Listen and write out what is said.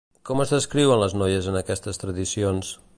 Com es descriuen les noies en aquestes tradicions?